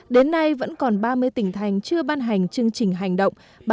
đến nay vẫn còn ba mươi tỉnh thành chưa ban hành chương trình hành động